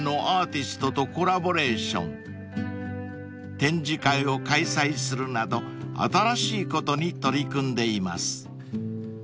［展示会を開催するなど新しいことに取り組んでいます］